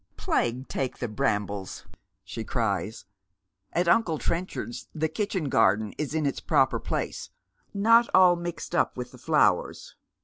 " Plague take the brambles !" she cries. " At uncle Trenchard's the kitchen garden is in its proper place, not all mixed up with the flowers.